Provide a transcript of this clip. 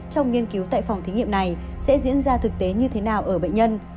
trong nghiên cứu tại phòng thí nghiệm này sẽ diễn ra thực tế như thế nào ở bệnh nhân